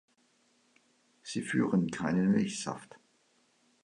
Sie führen keinen Milchsaft.